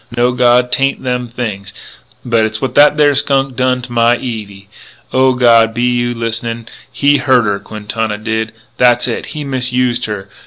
No, God, 'tain't them things. But it's what that there skunk done to my Evie.... O God, be you listenin'? He hurt her, Quintana did. That's it. He misused her....